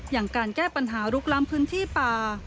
อย่างการแก้ปัญหาลุกล้ำพื้นที่ป่า